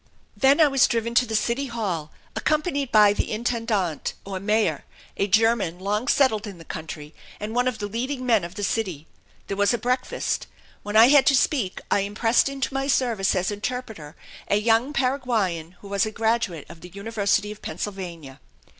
Then I was driven to the City Hall, accompanied by the intendente, or mayor, a German long settled in the country and one of the leading men of the city. There was a breakfast. When I had to speak I impressed into my service as interpreter a young Paraguayan who was a graduate of the University of Pennsylvania.